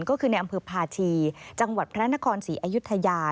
ก็คือในอำเภอพาชีจังหวัดพระนครศรีอยุธยา